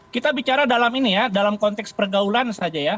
kita bicara dalam ini ya dalam konteks pergaulan saja ya